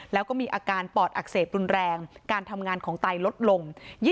แล้วก็มีอาการปอดอักเสบรุนแรงการทำงานของไตลดลง